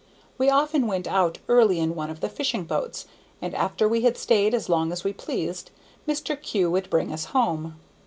We often went out early in one of the fishing boats, and after we had stayed as long as we pleased, Mr. Kew would bring us home.